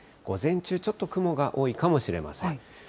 午前中、ちょっと雲が多いかもしれません。